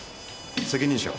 責任者は？